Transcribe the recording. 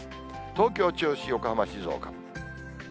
東京、銚子、横浜、静岡。